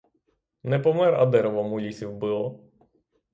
Не помер, а деревом у лісі вбило.